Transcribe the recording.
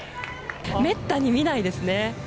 めったに見ないですね。